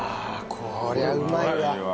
こりゃうまいわ。